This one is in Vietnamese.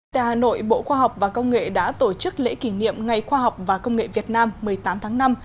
tại hà nội bộ khoa học và công nghệ đã tổ chức lễ kỷ niệm ngày khoa học và công nghệ việt nam một mươi tám tháng năm